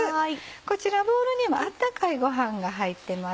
こちらボウルには温かいご飯が入ってます。